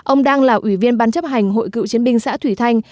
ông đang là ủy viên ban chấp hành hội cựu chiến binh xã thủy thanh